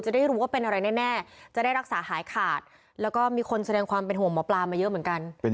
ได้รู้ว่าเป็นอะไรแน่จะได้รักษาหายขาดแล้วก็มีคนแสดงความเป็นห่วงหมอปลามาเยอะเหมือนกัน